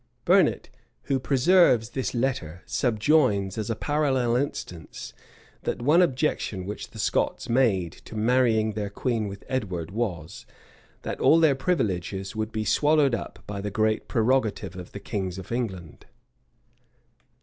[*] Burnet, who preserves this letter, subjoins, as a parallel instance, that one objection which the Scots made to marrying their queen with Edward was, that all their privileges would be swallowed up by the great prerogative of the kings of England.